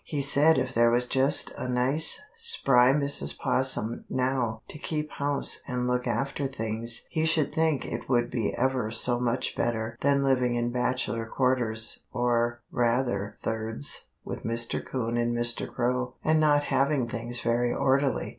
He said if there was just a nice, spry Mrs. 'Possum, now, to keep house and look after things he should think it would be ever so much better than living in bachelor quarters, or, rather, thirds, with Mr. 'Coon and Mr. Crow, and not having things very orderly.